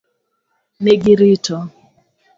Ne girito.